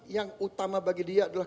yang utama bagi dia adalah